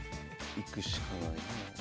行くしかないね。